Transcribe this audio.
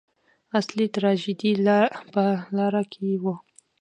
اصلي تراژیدي لا په لاره کې وه.